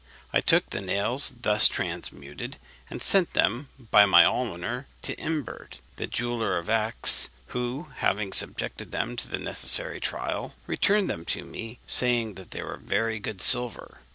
I took the nails thus transmuted, and sent them by my almoner to Imbert, the jeweller of Aix, who, having subjected them to the necessary trial, returned them to me, saying they were very good silver.